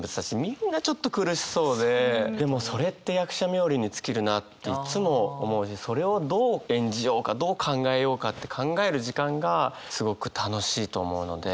みんなちょっと苦しそうででもそれって役者冥利に尽きるなっていつも思うしそれをどう演じようかどう考えようかって考える時間がすごく楽しいと思うので。